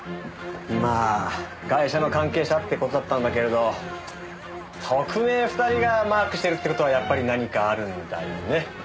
まあガイシャの関係者って事だったんだけれど特命２人がマークしてるって事はやっぱり何かあるんだよね？